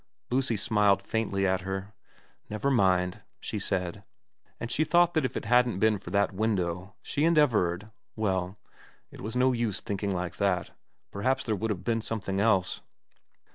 Lucy smiled faintly at her. ' Never mind,' she said ; and she thought that if it hadn't been for that window she and Everard well, it was no use thinking like that ; perhaps there would have been something else.